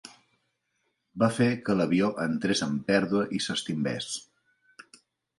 Va fer que l'avió entrés en pèrdua i s'estimbés.